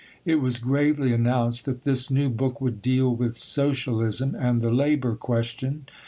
It was gravely announced that this new book would deal with socialism and the labour question.